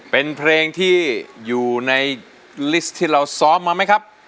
เป็นเพลงที่อยู่ในลิสต์ที่เราซ้อมมาไหมครับ